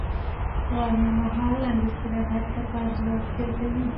غرمه مهال لنډ استراحت د کار ځواک زیاتوي